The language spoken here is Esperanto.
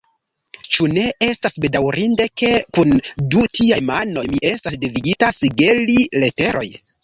Ĉu ne estas bedaŭrinde, ke, kun du tiaj manoj, mi estas devigita sigeli leteroj!